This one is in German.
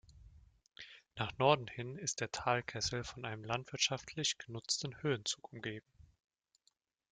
Nach Norden hin ist der Talkessel von einem landwirtschaftlich genutzten Höhenzug umgeben.